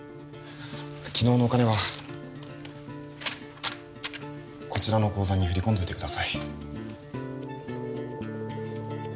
昨日のお金はこちらの口座に振り込んどいてください